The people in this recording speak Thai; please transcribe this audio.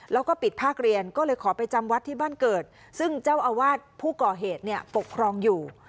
แล้วก็ปิดภาคเรียนก็เลยขอไปจำวัดที่บ้านเกิดซึ่งเจ้าอาวาสผู้ก่อเหตุเนี่ยปกครองอยู่